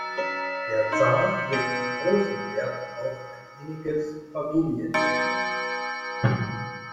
Der Zar legte großen Wert auf ein inniges Familienleben.